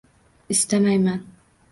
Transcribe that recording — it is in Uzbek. Istamayman.